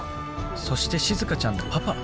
そしてしずかちゃんのパパ？